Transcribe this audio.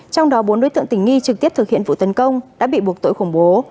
trong đó bốn đối tượng tình nghi trực tiếp thực hiện vụ tấn công đã bị buộc tội khủng bố